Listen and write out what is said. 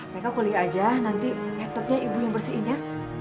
maka kuliah aja nanti laptopnya ibu yang bersihin ya